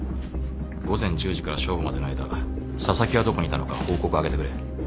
午前１０時から正午までの間紗崎はどこにいたのか報告を上げてくれ。